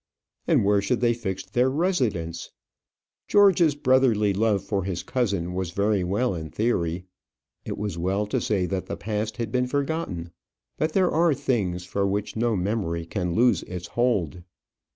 and where should they fix their residence? George's brotherly love for his cousin was very well in theory: it was well to say that the past had been forgotten; but there are things for which no memory can lose its hold.